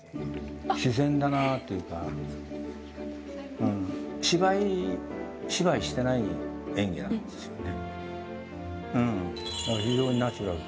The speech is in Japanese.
自然だなというか芝居芝居してない演技なんですよね。